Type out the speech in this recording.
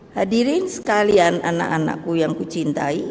hadirin sekalian anak anakku yang kucintai